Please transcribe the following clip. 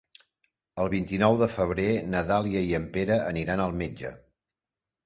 El vint-i-nou de febrer na Dàlia i en Pere aniran al metge.